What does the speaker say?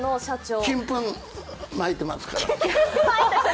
金粉まいてますから。